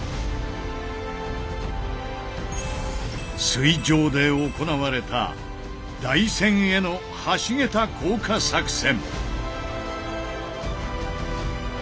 水上で行われた台船への橋桁降下作戦。